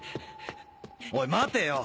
おい待てよ！